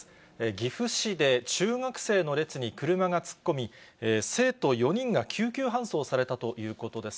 岐阜市で中学生の列に車が突っ込み、生徒４人が救急搬送されたということです。